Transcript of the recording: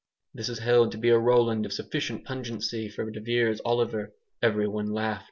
This is held to be a Roland of sufficient pungency for de Vere's Oliver. Everyone laughed.